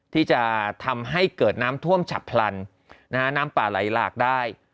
ที่จะทำให้เกิดน้ำท่วมฉับพลันน้ำป่าไหลหลากได้